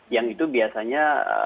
yang itu biasanya